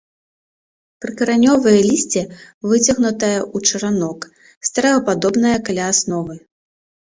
Прыкаранёвае лісце выцягнутае ў чаранок, стрэлападобнае каля асновы.